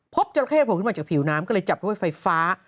จราเข้โผล่ขึ้นมาจากผิวน้ำก็เลยจับด้วยไฟฟ้า